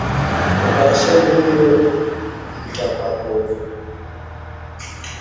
Operesheni hiyo itakapokamilika kinyume na hapo kama itaelekezwa vinginevyo